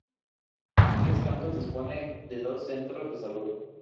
Tres Cantos dispone de dos centros de salud.